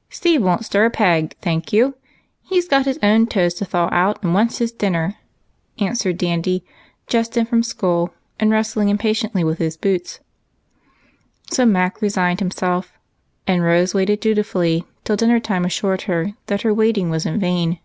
" Steve won't stir a peg, thank you. He 's got his own toes to thaw out, and wants his dinner," answered Dandy, just in from school, and wrestling impatiently with his boots. 244 EIGHT COUSINS. So Mac resigned himself, and Rose waited dutifully till dinner time assured her that her waiting was in vain.